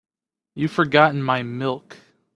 You've forgotten my milk.